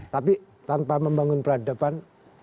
tapi tanpa membangun peradaban